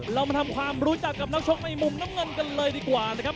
เรามาทำความรู้จักกับนักชกในมุมน้ำเงินกันเลยดีกว่านะครับ